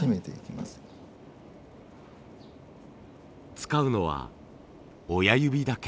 使うのは親指だけ。